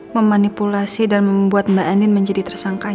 memanipulasi dan membuat mbak andin menjadi tersangkanya